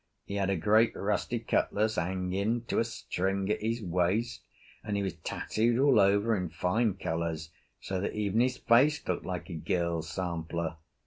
He had a great rusty cutlass hanging to a string at his waist, and he was tattooed all over in fine colours, so that even his face looked like a girl's sampler.